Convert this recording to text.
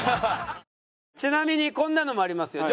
ちなみにこんなのもありますよ。